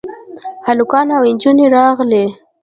هلکان او نجونې راغلې.